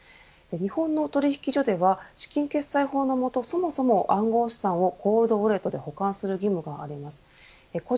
日本の取引所では資金決済法の下、そもそも暗号資産をコールドウォレットで保管している企業もあります。